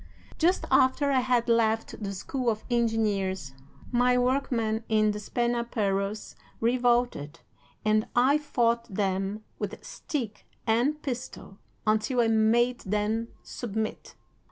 Just after I had left the School of Engineers, my workmen in Despenaperros revolted, and I fought them with stick and pistol until I made them submit.